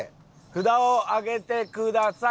札を上げてください。